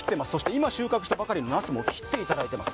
今収穫したばかりのなすも切っていただいています。